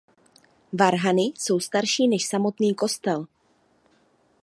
Varhany jsou starší než samotný kostel.